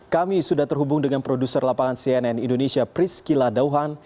kami sudah terhubung dengan produser lapangan cnn indonesia priscila dauhan